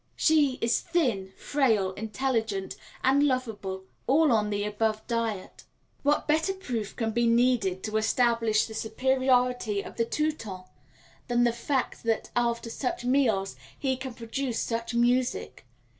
She is thin, frail, intelligent, and lovable, all on the above diet. What better proof can be needed to establish the superiority of the Teuton than the fact that after such meals he can produce such music?